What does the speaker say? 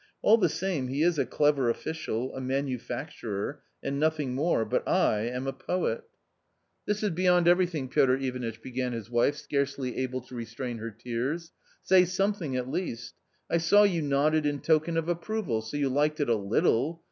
All the J same, he is a clever official, a manufacturer, and nothing more ; but I am a poet." ^ 162 A COMMON STORY "This is beyond everything, Piotr Ivanitch," began his wife, scarcely able to restrain her tears. "Say something at least. I saw you nodded in token of approval, so you liked it a little.